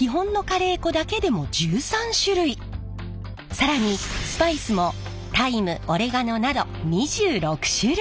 更にスパイスもタイムオレガノなど２６種類。